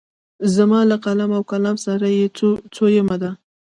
زما له قلم او کلام سره یې څویمه ده.